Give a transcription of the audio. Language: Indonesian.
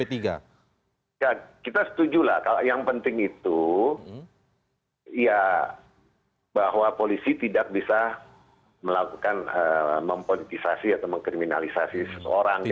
ya kita setuju lah kalau yang penting itu ya bahwa polisi tidak bisa melakukan mempolitisasi atau mengkriminalisasi seseorang